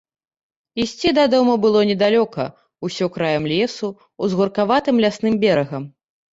Ісці дадому было недалёка, усё краем лесу, узгоркаватым лясным берагам.